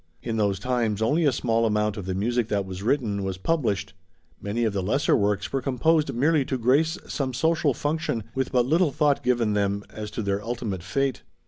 In those times only a small amount of the music that was written, was published. Many of the lesser works were composed merely to grace some social function, with but little thought given them as to their ultimate fate.